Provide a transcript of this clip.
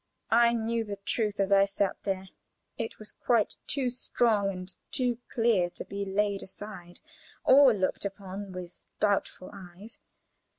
I knew the truth, as I sat there; it was quite too strong and too clear to be laid aside, or looked upon with doubtful eyes.